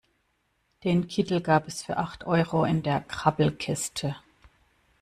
Den Kittel gab es für acht Euro in der Grabbelkiste.